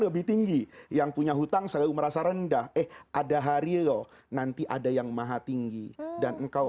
lebih tinggi yang punya hutang selalu merasa rendah eh ada hari loh nanti ada yang maha tinggi dan engkau